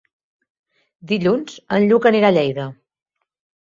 Dilluns en Lluc anirà a Lleida.